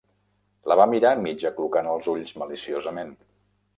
La va mirar mig aclucant els ulls maliciosament.